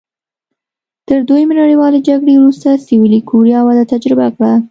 تر دویمې نړیوالې جګړې وروسته سوېلي کوریا وده تجربه کړه.